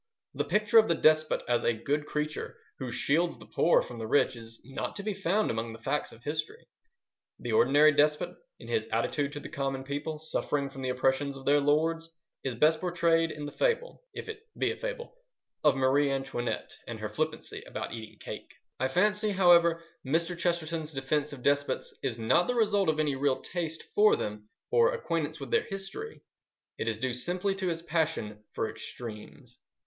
The picture of the despot as a good creature who shields the poor from the rich is not to be found among the facts of history. The ordinary despot, in his attitude to the common people suffering from the oppressions of their lords, is best portrayed in the fable—if it be a fable—of Marie Antoinette and her flippancy about eating cake. I fancy, however, Mr. Chesterton's defence of despots is not the result of any real taste for them or acquaintance with their history: it is due simply to his passion for extremes.